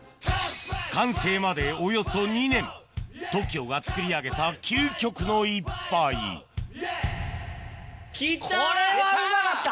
完成までおよそ２年ＴＯＫＩＯが作り上げた究極の１杯来た！